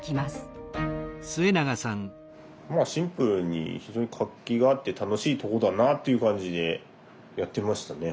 シンプルに非常に活気があって楽しいとこだなという感じでやってましたね。